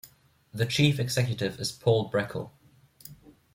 The Chief Executive is Paul Breckell.